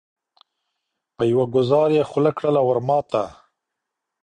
په یوه گوزار یې خوله کړله ورماته